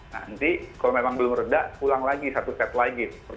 nanti kalau memang belum reda pulang lagi satu set lagi